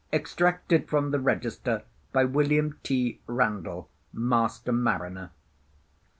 Extracted from the Register by William T. Randall, Master Mariner.